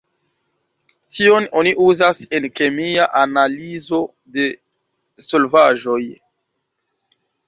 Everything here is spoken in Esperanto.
Tion oni uzas en kemia analizo de solvaĵoj.